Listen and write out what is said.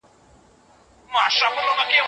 هغه ماشوم چې ادب لري، د پلار سترګې وي.